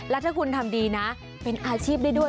แล้วถ้าคุณทำดีนะเป็นอาชีพได้ด้วย